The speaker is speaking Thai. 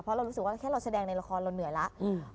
เพราะเรารู้สึกว่าแค่เราแสดงในละครเราเหนื่อยแล้ว